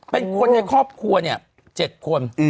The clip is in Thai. เป็นคนในครอบครัว๗คน